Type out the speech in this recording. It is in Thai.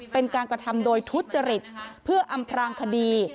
เป็นการกระทำโดยทุจริตเพื่ออำพรางคดี